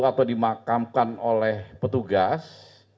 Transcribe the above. atau dimakamkan oleh petugas